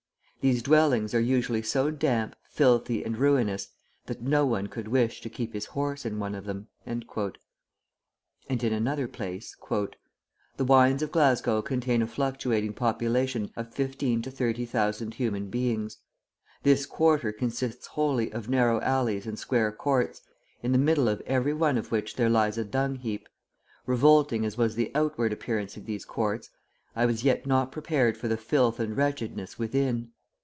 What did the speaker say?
These dwellings are usually so damp, filthy, and ruinous, that no one could wish to keep his horse in one of them." And in another place: "The wynds of Glasgow contain a fluctuating population of fifteen to thirty thousand human beings. This quarter consists wholly of narrow alleys and square courts, in the middle of every one of which there lies a dung heap. Revolting as was the outward appearance of these courts, I was yet not prepared for the filth and wretchedness within.